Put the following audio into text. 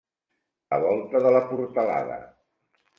La volta de la portalada.